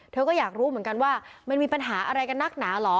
เธอก็อยากรู้เหมือนกันว่ามันมีปัญหาอะไรกันนักหนาเหรอ